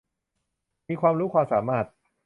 มีความรู้ความสามารถ